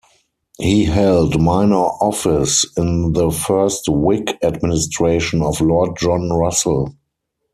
He held minor office in the first Whig administration of Lord John Russell.